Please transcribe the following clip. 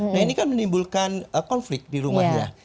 nah ini kan menimbulkan konflik di rumahnya